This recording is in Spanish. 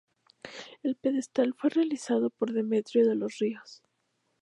El pedestal fue realizado por Demetrio de los Ríos.